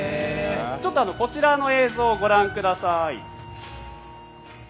ちょっとこちらの映像をご覧ください。